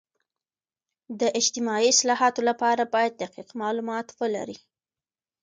د اجتماعي اصلاحاتو لپاره باید دقیق معلومات ولري.